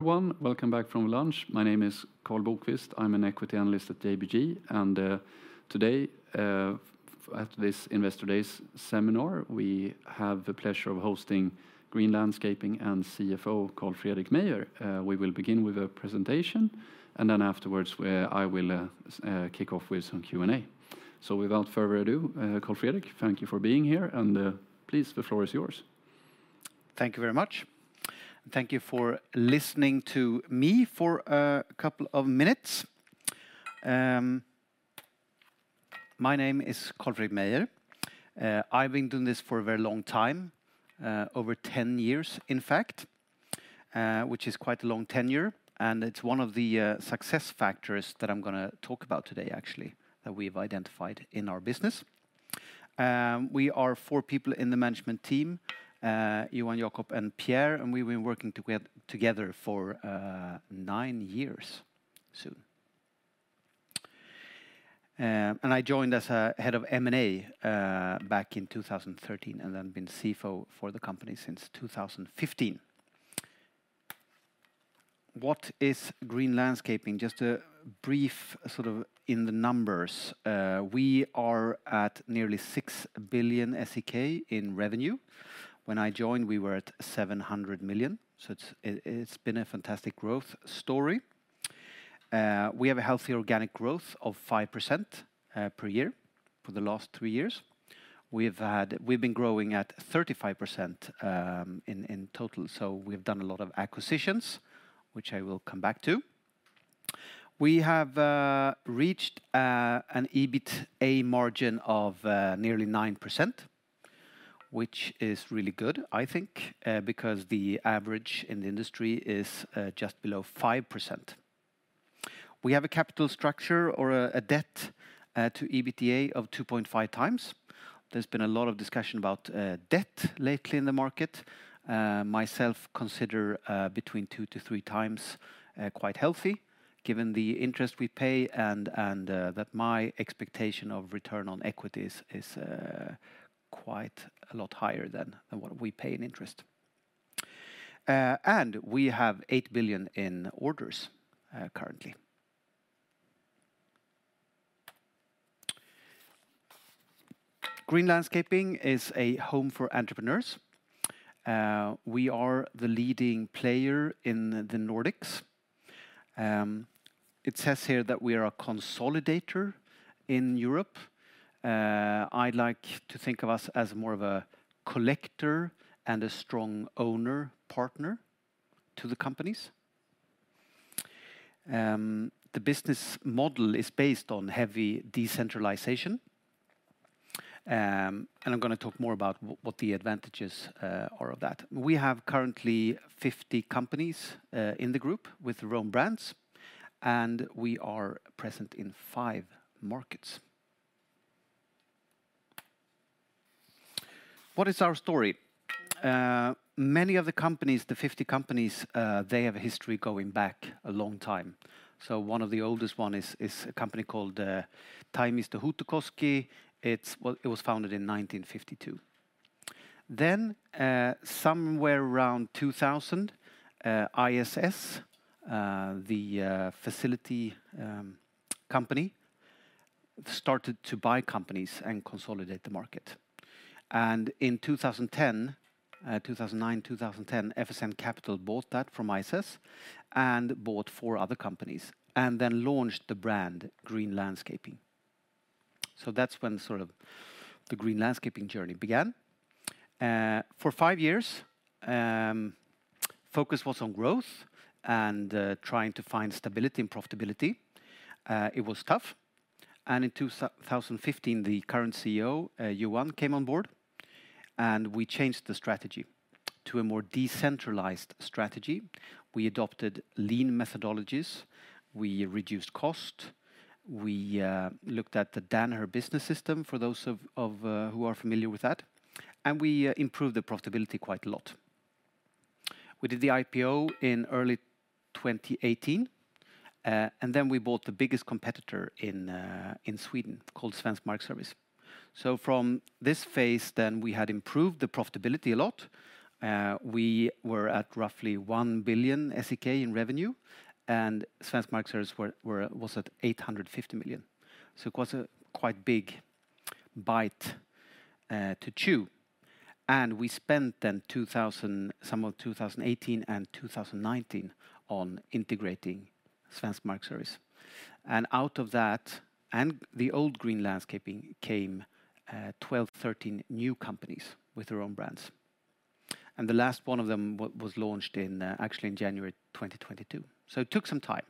Once, welcome back from lunch. My name is Karl Bokvist. I'm an equity analyst at ABG Sundal Collier, and today, at this Investor Days seminar, we have the pleasure of hosting Green Landscaping and CFO called Carl-Fredrik Meijer. We will begin with a presentation, and then afterwards, where I will kick off with some Q&A. So without further ado, Carl-Fredrik, thank you for being here, and please, the floor is yours. Thank you very much. Thank you for listening to me for a couple of minutes. My name is Carl-Fredrik Meijer. I've been doing this for a very long time, over 10 years, in fact, which is quite a long tenure, and it's one of the success factors that I'm gonna talk about today, actually, that we've identified in our business. We are four people in the management team, Johan, Jakob, and Pierre, and we've been working together for nine years soon. And I joined as a head of M&A back in 2013, and then been CFO for the company since 2015. What is Green Landscaping? Just a brief sort of in the numbers. We are at nearly 6 billion SEK in revenue. When I joined, we were at 700 million, so it's, it, it's been a fantastic growth story. We have a healthy organic growth of 5% per year for the last 3 years. We've been growing at 35% in total, so we've done a lot of acquisitions, which I will come back to. We have reached an EBITA margin of nearly 9%, which is really good, I think, because the average in the industry is just below 5%. We have a capital structure or a debt to EBITDA of 2.5 times. There's been a lot of discussion about debt lately in the market. Myself, consider between 2-3 times quite healthy, given the interest we pay, and that my expectation of return on equities is quite a lot higher than what we pay in interest. And we have 8 billion in orders currently. Green Landscaping is a home for entrepreneurs. We are the leading player in the Nordics. It says here that we are a consolidator in Europe. I'd like to think of us as more of a collector and a strong owner partner to the companies. The business model is based on heavy decentralization, and I'm gonna talk more about what the advantages are of that. We have currently 50 companies in the group with their own brands, and we are present in five markets. What is our story? Many of the companies, the 50 companies, they have a history going back a long time. So one of the oldest one is a company called Taimisto Huutokoski. It's well, it was founded in 1952. Then, somewhere around 2000, ISS, the facility company, started to buy companies and consolidate the market. And in 2010, 2009, 2010, FSN Capital bought that from ISS and bought four other companies, and then launched the brand, Green Landscaping. So that's when sort of the Green Landscaping journey began. For five years, focus was on growth and trying to find stability and profitability. It was tough, and in 2015, the current CEO, Johan, came on board, and we changed the strategy to a more decentralized strategy. We adopted lean methodologies, we reduced cost, we looked at the Danaher Business System for those who are familiar with that, and we improved the profitability quite a lot. We did the IPO in early 2018, and then we bought the biggest competitor in Sweden, called Svensk Markservice. So from this phase, then we had improved the profitability a lot. We were at roughly 1 billion SEK in revenue, and Svensk Markservice was at 850 million. So it was a quite big bite to chew. And we spent then most of 2018 and 2019 on integrating Svensk Markservice. And out of that, and the old Green Landscaping came, 12, 13 new companies with their own brands, and the last one of them was launched in, actually in January 2022. So it took some time.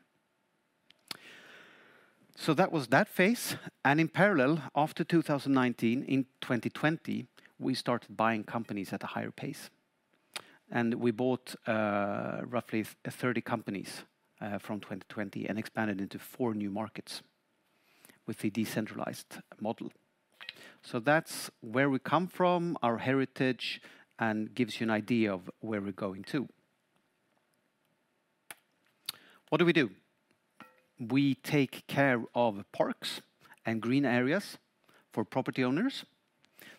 So that was that phase, and in parallel, after 2019, in 2020, we started buying companies at a higher pace. And we bought, roughly 30 companies, from 2020 and expanded into 4 new markets with the decentralized model. So that's where we come from, our heritage, and gives you an idea of where we're going to. What do we do? We take care of parks and green areas for property owners.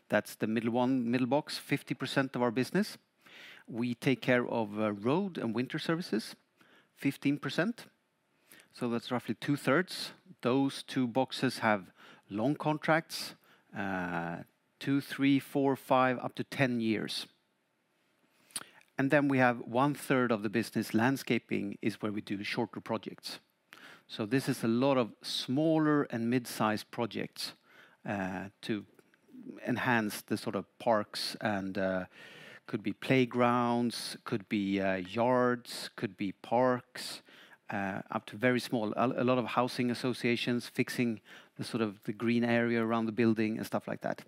That's the middle one, middle box, 50% of our business. We take care of, road and winter services, 15%, so that's roughly two-thirds. Those two boxes have long contracts, 2, 3, 4, 5, up to 10 years. Then we have one-third of the business. Landscaping is where we do shorter projects. So this is a lot of smaller and mid-sized projects, to enhance the sort of parks and could be playgrounds, could be yards, could be parks, up to very small – a lot of housing associations, fixing the sort of the green area around the building and stuff like that.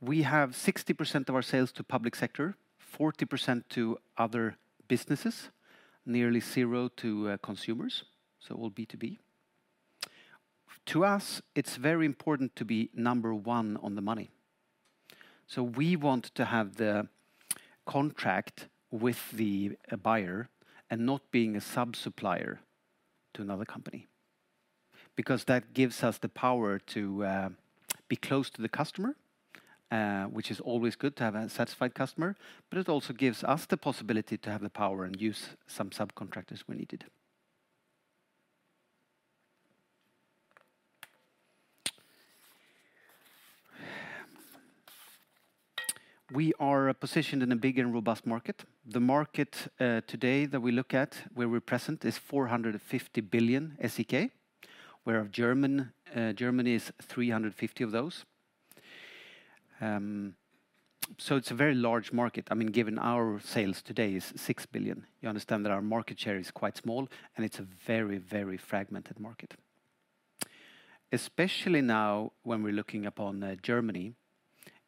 We have 60% of our sales to public sector, 40% to other businesses, nearly 0% to consumers, so all B2B. To us, it's very important to be number one on the money. We want to have the contract with the buyer and not being a sub-supplier to another company, because that gives us the power to be close to the customer, which is always good to have a satisfied customer, but it also gives us the possibility to have the power and use some subcontractors when needed. We are positioned in a big and robust market. The market today that we look at, where we're present, is 450 billion SEK, whereof Germany is 350 billion of those. So it's a very large market. I mean, given our sales today is 6 billion, you understand that our market share is quite small, and it's a very, very fragmented market. Especially now, when we're looking upon Germany,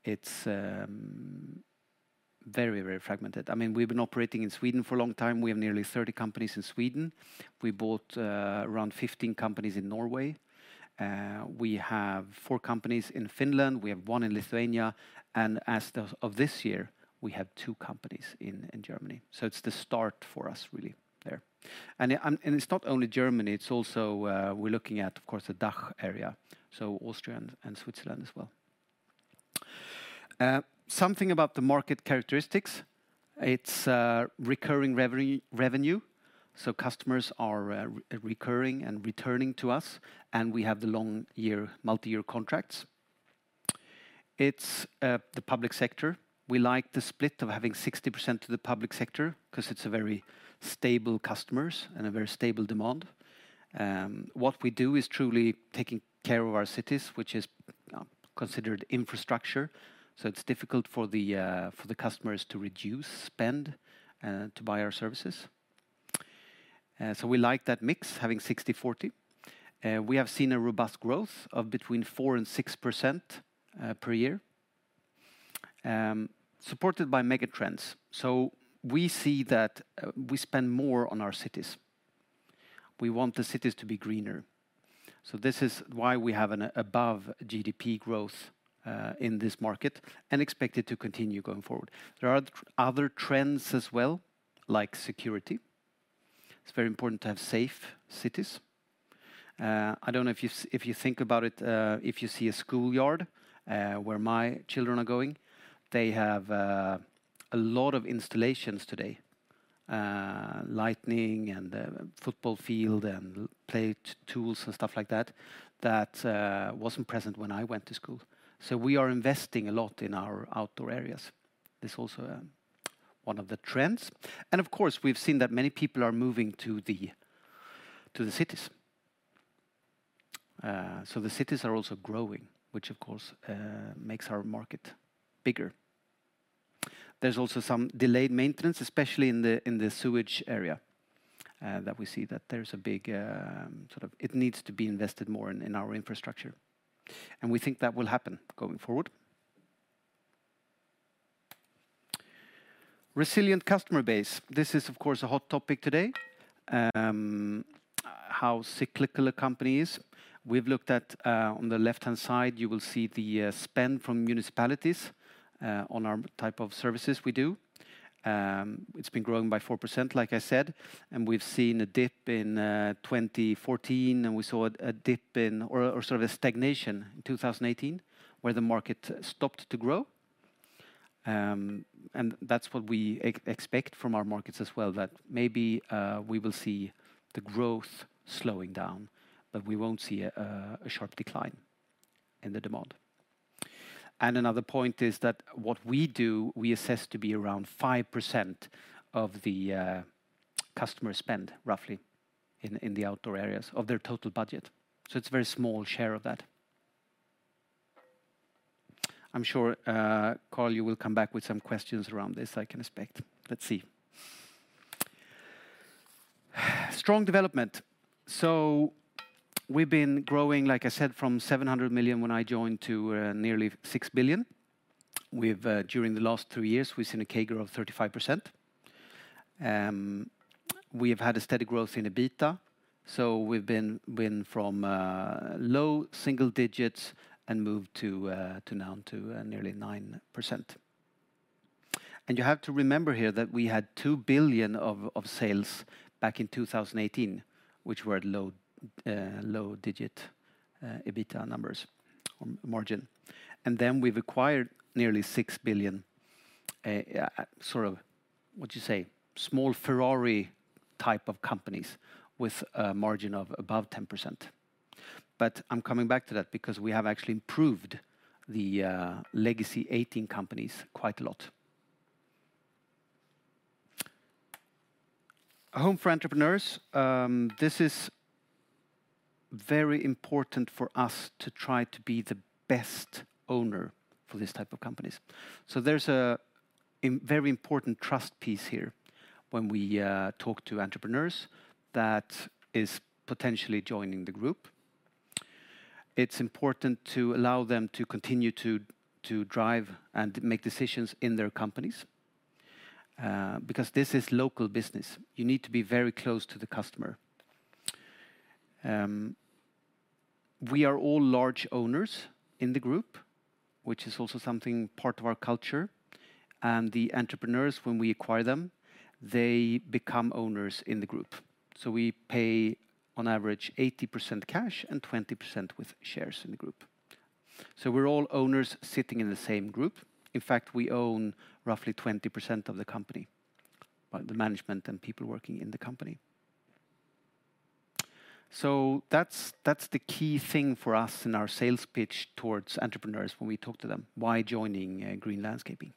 it's very, very fragmented. I mean, we've been operating in Sweden for a long time. We have nearly 30 companies in Sweden. We bought around 15 companies in Norway. We have four companies in Finland, we have one in Lithuania, and as of this year, we have two companies in Germany. So it's the start for us, really, there. And it's not only Germany, it's also we're looking at, of course, the DACH area, so Austria and Switzerland as well. Something about the market characteristics. It's recurring revenue, so customers are recurring and returning to us, and we have the long year, multi-year contracts. It's the public sector. We like the split of having 60% to the public sector because it's a very stable customers and a very stable demand. What we do is truly taking care of our cities, which is, considered infrastructure, so it's difficult for the, for the customers to reduce spend, to buy our services. So we like that mix, having 60/40. We have seen a robust growth of between 4% and 6%, per year, supported by mega trends. So we see that, we spend more on our cities. We want the cities to be greener. So this is why we have an above GDP growth, in this market and expect it to continue going forward. There are other trends as well, like security. It's very important to have safe cities. I don't know if you think about it, if you see a schoolyard, where my children are going, they have a lot of installations today, lighting and a football field and play tools and stuff like that, that wasn't present when I went to school. So we are investing a lot in our outdoor areas. This also one of the trends. And of course, we've seen that many people are moving to the cities. So the cities are also growing, which of course makes our market bigger. There's also some delayed maintenance, especially in the sewage area, that we see that there is a big sort of it needs to be invested more in our infrastructure, and we think that will happen going forward. Resilient customer base. This is, of course, a hot topic today. How cyclical a company is. We've looked at, on the left-hand side, you will see the spend from municipalities on our type of services we do. It's been growing by 4%, like I said, and we've seen a dip in 2014, and we saw a dip in, or sort of a stagnation in 2018, where the market stopped to grow. And that's what we expect from our markets as well, that maybe we will see the growth slowing down, but we won't see a sharp decline in the demand. And another point is that what we do, we assess to be around 5% of the customer spend, roughly, in the outdoor areas of their total budget. So it's a very small share of that. I'm sure, Carl, you will come back with some questions around this, I can expect. Let's see. Strong development. So we've been growing, like I said, from 700 million when I joined, to nearly 6 billion. We've during the last 2 years, we've seen a CAGR of 35%. We have had a steady growth in the EBITDA, so we've been from low single digits and moved to nearly 9%. And you have to remember here that we had 2 billion of sales back in 2018, which were low-digit EBITDA numbers or margin. And then we've acquired nearly 6 billion, sort of, what you say, small Ferrari type of companies with a margin of above 10%. I'm coming back to that because we have actually improved the legacy 18 companies quite a lot. A home for entrepreneurs. This is very important for us to try to be the best owner for these type of companies. So there's a very important trust piece here when we talk to entrepreneurs that is potentially joining the group. It's important to allow them to continue to drive and make decisions in their companies. Because this is local business, you need to be very close to the customer. We are all large owners in the group, which is also something part of our culture, and the entrepreneurs, when we acquire them, they become owners in the group. So we pay, on average, 80% cash and 20% with shares in the group. So we're all owners sitting in the same group. In fact, we own roughly 20% of the company, by the management and people working in the company. So that's the key thing for us in our sales pitch towards entrepreneurs when we talk to them, why joining Green Landscaping?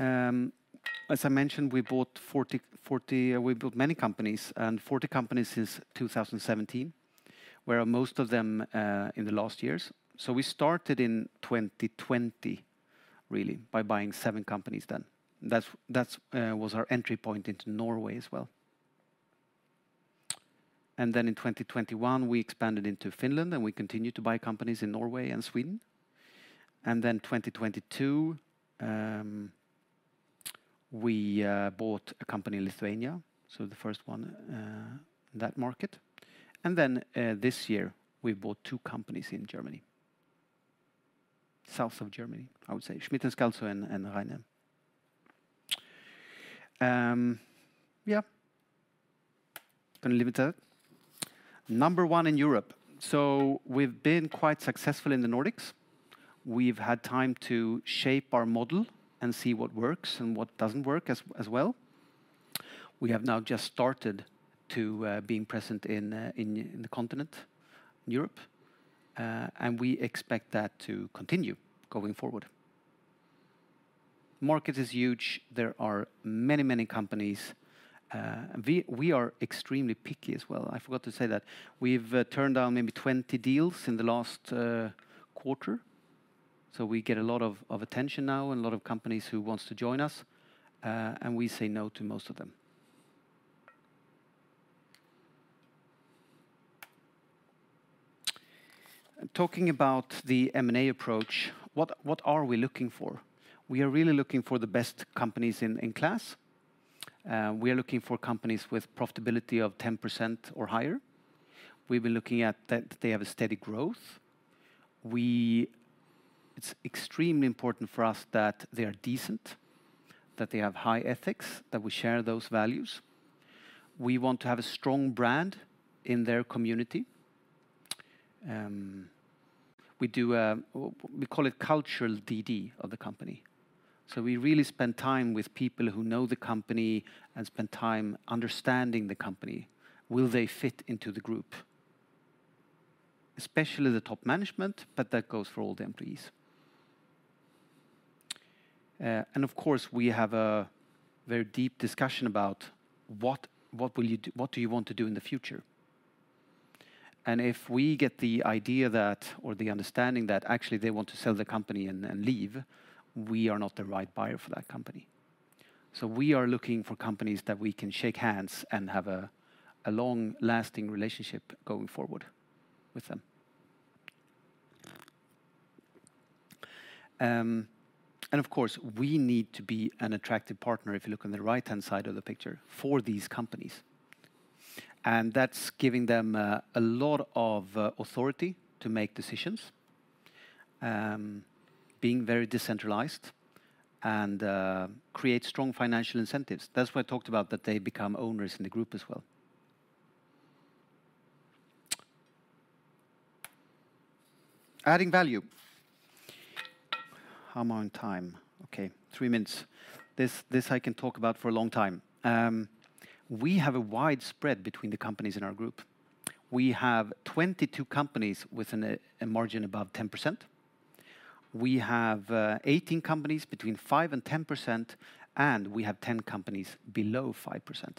As I mentioned, we bought 40, 40. We built many companies, and 40 companies since 2017, where most of them in the last years. So we started in 2020, really, by buying 7 companies then. That's was our entry point into Norway as well. And then in 2021, we expanded into Finland, and we continued to buy companies in Norway and Sweden. And then 2022, we bought a company in Lithuania, so the first one in that market. And then this year, we bought 2 companies in Germany. South of Germany, I would say, Schmitt & Scalzo and Rheine. Yeah, going to leave it at that. Number one in Europe. So we've been quite successful in the Nordics. We've had time to shape our model and see what works and what doesn't work as well. We have now just started to being present in Continental Europe, and we expect that to continue going forward. Market is huge. There are many, many companies. We are extremely picky as well. I forgot to say that. We've turned down maybe 20 deals in the last quarter, so we get a lot of attention now and a lot of companies who wants to join us, and we say no to most of them. Talking about the M&A approach, what are we looking for? We are really looking for the best companies in class. We are looking for companies with profitability of 10% or higher. We've been looking at that they have a steady growth. It's extremely important for us that they are decent, that they have high ethics, that we share those values. We want to have a strong brand in their community. We do, we call it cultural DD of the company. So we really spend time with people who know the company and spend time understanding the company. Will they fit into the group? Especially the top management, but that goes for all the employees. And of course, we have a very deep discussion about what you want to do in the future? If we get the idea that or the understanding that actually they want to sell the company and then leave, we are not the right buyer for that company. We are looking for companies that we can shake hands and have a long-lasting relationship going forward with them. And of course, we need to be an attractive partner, if you look on the right-hand side of the picture, for these companies. And that's giving them a lot of authority to make decisions, being very decentralized and create strong financial incentives. That's why I talked about that they become owners in the group as well. Adding value. How am I on time? Okay, 3 minutes. This I can talk about for a long time. We have a wide spread between the companies in our group. We have 22 companies with a margin above 10%. We have 18 companies between 5% and 10%, and we have 10 companies below 5%.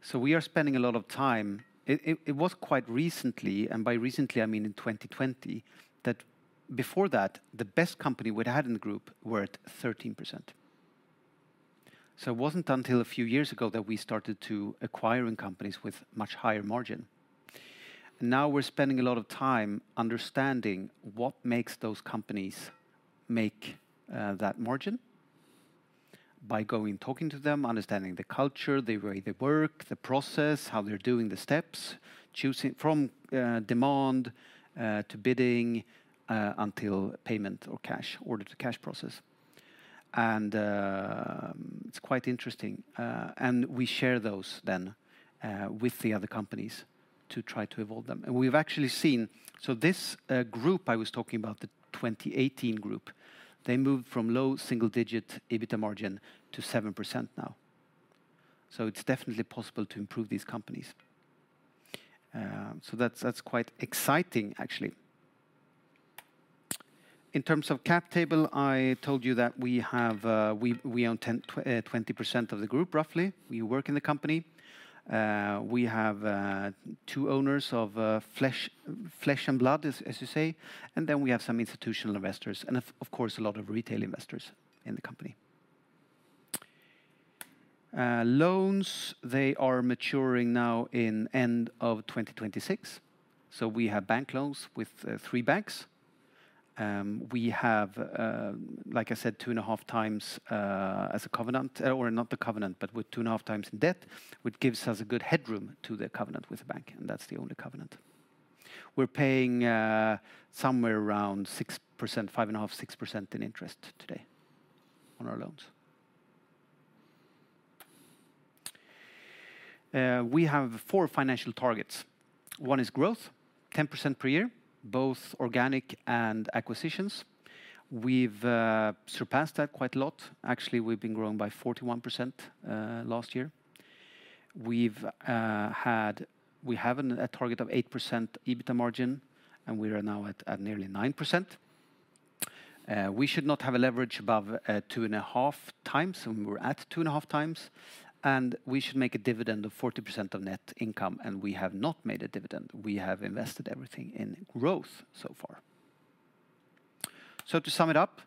So we are spending a lot of time. It was quite recently, and by recently, I mean in 2020, that before that, the best company we'd had in the group were at 13%. So it wasn't until a few years ago that we started to acquiring companies with much higher margin. And now we're spending a lot of time understanding what makes those companies make that margin by going, talking to them, understanding the culture, the way they work, the process, how they're doing the steps, choosing from demand to bidding until payment or cash, order to cash process. And it's quite interesting. We share those then with the other companies to try to evolve them. And we've actually seen. So this group I was talking about, the 2018 group, they moved from low single-digit EBITDA margin to 7% now. So it's definitely possible to improve these companies. So that's quite exciting, actually. In terms of cap table, I told you that we own 20% of the group, roughly. We work in the company. We have two owners of flesh and blood, as you say, and then we have some institutional investors, and of course, a lot of retail investors in the company. Loans, they are maturing now in end of 2026. So we have bank loans with three banks. We have, like I said, 2.5x as a covenant, or not the covenant, but with 2.5x in debt, which gives us a good headroom to the covenant with the bank, and that's the only covenant. We're paying somewhere around 6%, 5.5-6% in interest today on our loans. We have four financial targets. One is growth, 10% per year, both organic and acquisitions. We've surpassed that quite a lot. Actually, we've been growing by 41% last year. We have a target of 8% EBITDA margin, and we are now at nearly 9%. We should not have a leverage above 2.5 times, and we're at 2.5 times, and we should make a dividend of 40% of net income, and we have not made a dividend. We have invested everything in growth so far. So to sum it up,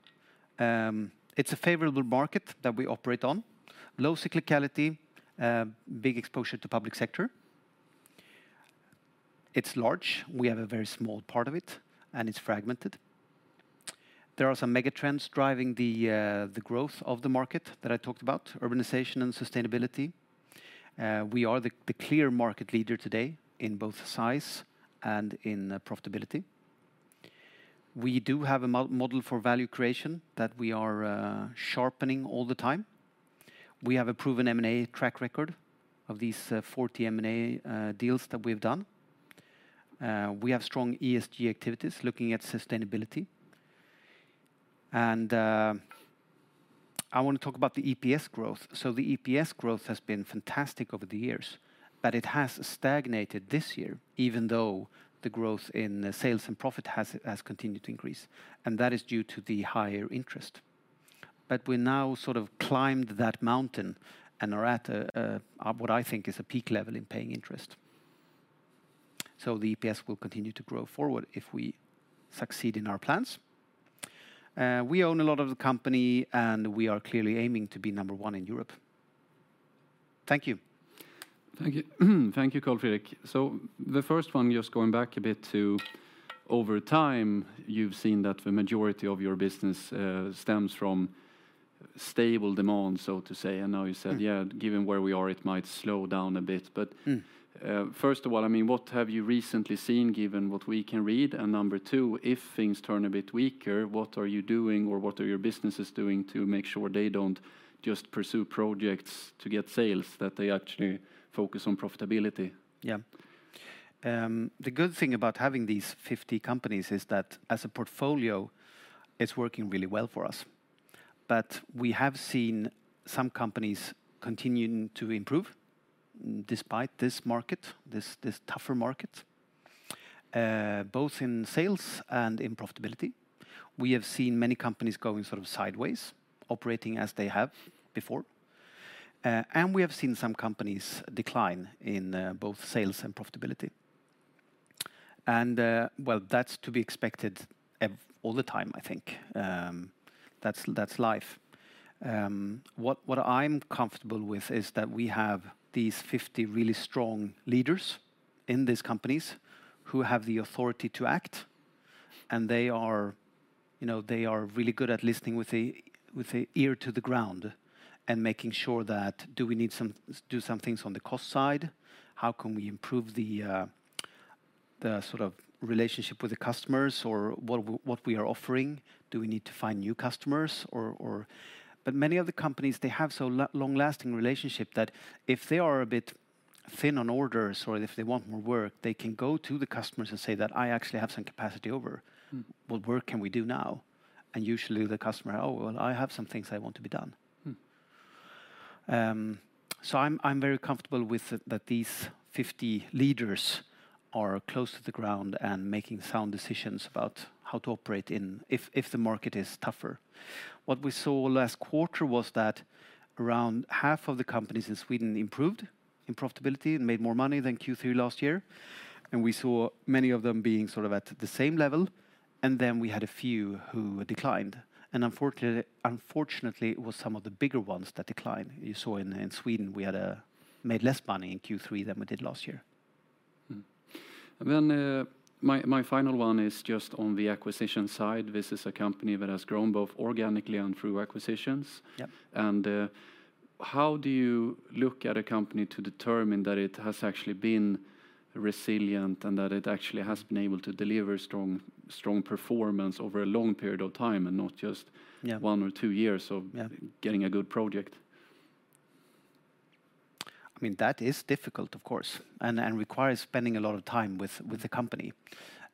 it's a favorable market that we operate on. Low cyclicality, big exposure to public sector. It's large, we have a very small part of it, and it's fragmented. There are some mega trends driving the growth of the market that I talked about, urbanization and sustainability. We are the clear market leader today in both size and in profitability. We do have a model for value creation that we are sharpening all the time. We have a proven M&A track record of these 40 M&A deals that we've done. We have strong ESG activities looking at sustainability. And I want to talk about the EPS growth. So the EPS growth has been fantastic over the years, but it has stagnated this year, even though the growth in sales and profit has continued to increase, and that is due to the higher interest. But we now sort of climbed that mountain and are at a what I think is a peak level in paying interest. So the EPS will continue to grow forward if we succeed in our plans. We own a lot of the company, and we are clearly aiming to be number one in Europe. Thank you. Thank you. Thank you, Carl-Fredrik. So the first one, just going back a bit to over time, you've seen that the majority of your business stems from stable demand, so to say. And now you said- Mm. Yeah, given where we are, it might slow down a bit. Mm. First of all, I mean, what have you recently seen, given what we can read? Number two, if things turn a bit weaker, what are you doing, or what are your businesses doing to make sure they don't just pursue projects to get sales, that they actually focus on profitability? Yeah. The good thing about having these 50 companies is that as a portfolio, it's working really well for us. But we have seen some companies continuing to improve despite this market, this tougher market, both in sales and in profitability. We have seen many companies going sort of sideways, operating as they have before. And we have seen some companies decline in both sales and profitability. And, well, that's to be expected all the time, I think. That's life. What I'm comfortable with is that we have these 50 really strong leaders in these companies who have the authority to act, and they are, you know, they are really good at listening with a ear to the ground and making sure that, do we need to do some things on the cost side? How can we improve the sort of relationship with the customers or what we are offering? Do we need to find new customers, or but many of the companies, they have so long-lasting relationship that if they are a bit thin on orders or if they want more work, they can go to the customers and say that, "I actually have some capacity over. Mm. What work can we do now?" And usually the customer, "Oh, well, I have some things I want to be done. Mm. So I'm very comfortable with that these 50 leaders are close to the ground and making sound decisions about how to operate in if the market is tougher. What we saw last quarter was that around half of the companies in Sweden improved in profitability and made more money than Q3 last year, and we saw many of them being sort of at the same level, and then we had a few who declined. Unfortunately, it was some of the bigger ones that declined. You saw in Sweden, we had made less money in Q3 than we did last year. Mm-hmm. And then, my, my final one is just on the acquisition side. This is a company that has grown both organically and through acquisitions. Yep. How do you look at a company to determine that it has actually been resilient, and that it actually has been able to deliver strong, strong performance over a long period of time, and not just? Yeah. One or two years of- Yeah. Getting a good project? I mean, that is difficult, of course, and requires spending a lot of time with the company.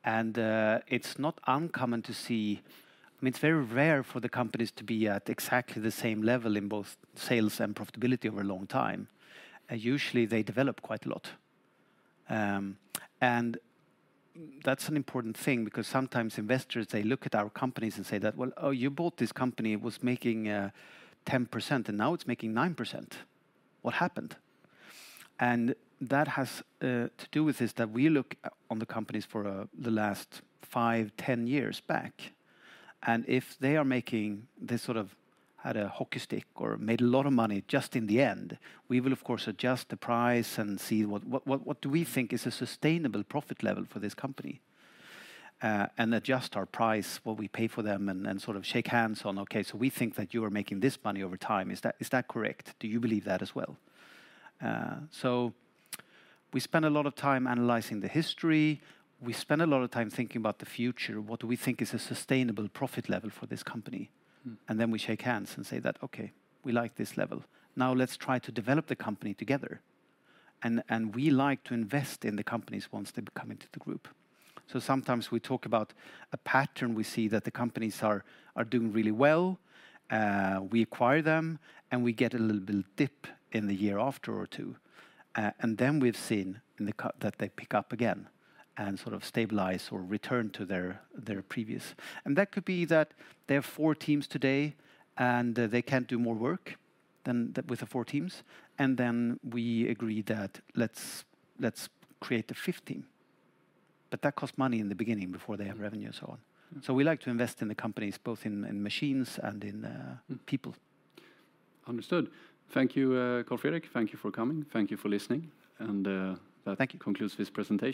And it's not uncommon to see I mean, it's very rare for the companies to be at exactly the same level in both sales and profitability over a long time, and usually they develop quite a lot. And that's an important thing because sometimes investors, they look at our companies and say that, "Well, oh, you bought this company. It was making 10%, and now it's making 9%. What happened?" And that has to do with this, that we look on the companies for the last 5, 10 years back, and if they are making this sort of had a hockey stick or made a lot of money just in the end, we will of course adjust the price and see what do we think is a sustainable profit level for this company, and adjust our price, what we pay for them, and then sort of shake hands on, "Okay, so we think that you are making this money over time. Is that correct? Do you believe that as well?" So we spend a lot of time analyzing the history. We spend a lot of time thinking about the future, what do we think is a sustainable profit level for this company? Mm. Then we shake hands and say that, "Okay, we like this level. Now let's try to develop the company together." And we like to invest in the companies once they come into the group. So sometimes we talk about a pattern we see that the companies are doing really well. We acquire them, and we get a little bit of dip in the year after or two. And then we've seen in the companies that they pick up again and sort of stabilize or return to their previous. And that could be that they have four teams today, and they can't do more work than that with the four teams, and then we agree that, "Let's create the fifth team." But that costs money in the beginning, before they have revenue and so on. Mm. So we like to invest in the companies, both in machines and in- Mm. People. Understood. Thank you, Carl-Fredrik. Thank you for coming. Thank you for listening. Thank you. Concludes this presentation.